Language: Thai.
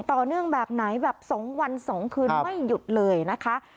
ต่อเนื่องแบบไหนแบบ๒วัน๒คืนไม่หยุดเลยนะคะ